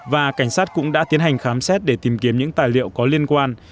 và cảnh sát cũng đã tiến hành khám xét để tìm kiếm những tài liệu có liên quan